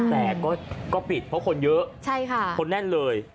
แต่ก็ปิดเพราะคนเยอะคนแน่นเลย